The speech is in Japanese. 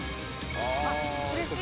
あっうれしい。